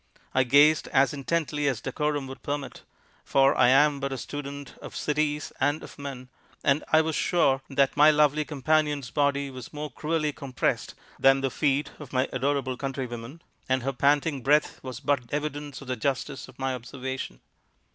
I gazed as intently as decorum would permit for I am but a student of cities and of men and I was sure that my lovely companion's body was more cruelly compressed than the feet of my adorable countrywomen, and her panting breath was but evidence of the justice of my observation.